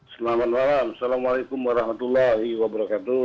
selamat malam assalamualaikum warahmatullahi wabarakatuh